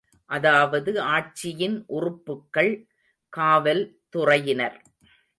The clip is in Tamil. அதாவது ஆட்சியின் உறுப்புக்கள் காவல் துறையினர்.